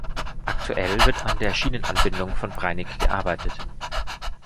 Aktuell wird an der Schienenanbindung von Breinig gearbeitet.